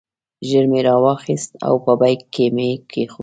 ژر مې را واخیست او په بیک کې مې کېښود.